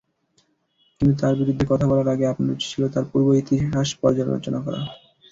কিন্তু তার বিরুদ্ধে কথা বলার আগে আপনার উচিৎ ছিল তার পূর্ব ইতিহাস পর্যালোচনা করা।